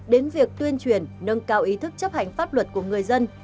đến việc tuyên truyền nâng cao ý thức chấp hành pháp luật của người dân